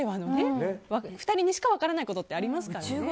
２人にしか分からないことってありますもんね。